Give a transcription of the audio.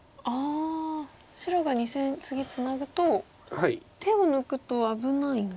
白が２線次ツナぐと手を抜くと危ないんですか。